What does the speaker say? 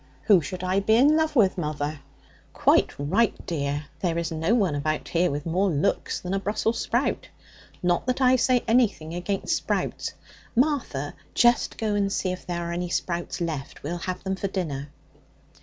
Who should I be in love with, mother?' 'Quite right, dear. There is no one about here with more looks than a brussels sprout. Not that I say anything against sprouts. Martha, just go and see if there are any sprouts left. We'll have them for dinner.'